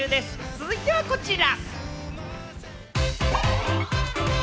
続いてはこちら。